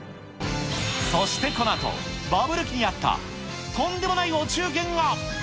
そしてこのあと、バブル期にあったとんでもないお中元が。